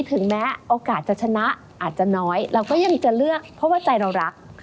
ถึงแม้โอกาสจะชนะอาจจะน้อยเราก็ยังจะเลือกเพราะว่าใจเรารัก